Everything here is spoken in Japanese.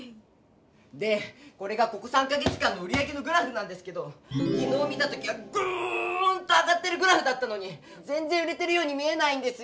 でこれがここ３か月間の売り上げのグラフなんですけどきのう見た時はグーンと上がってるグラフだったのにぜんぜん売れてるように見えないんですよ！